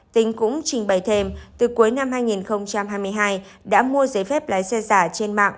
tính cũng trình bày thêm từ cuối năm hai nghìn hai mươi hai đã mua giấy phép lái xe giả trên mạng